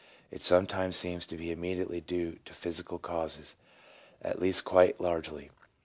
It sometimes seems to be immediately due to physical causes, at least quite largely.